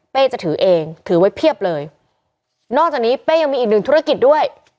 จะถือเองถือไว้เพียบเลยนอกจากนี้เป้ยังมีอีกหนึ่งธุรกิจด้วย